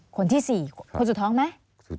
คนสุดท้องไหม